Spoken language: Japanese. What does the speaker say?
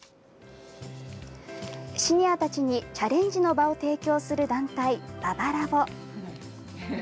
シニアたちにチャレンジの場を提供する団体ＢａＢａｌａｂ。